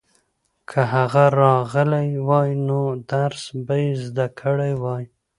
که هغه راغلی وای نو درس به یې زده کړی وای.